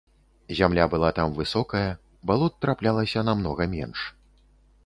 Зямля была там высокая, балот траплялася намнога менш.